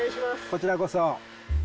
こちらこそ。